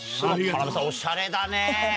田辺さんおしゃれだね。